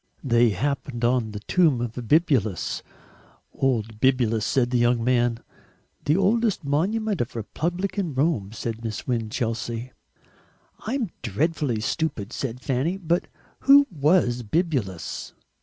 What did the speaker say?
They happened on the tomb of Bibulus. "Old Bibulus," said the young man. "The oldest monument of Republican Rome!" said Miss Winchelsea. "I'm dreadfully stupid," said Fanny, "but who WAS Bibulus?"